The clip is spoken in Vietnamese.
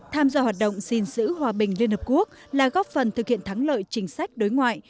tham gia hoạt động xin giữ hòa bình liên hợp quốc là góp phần thực hiện thắng lợi chính sách đối ngoại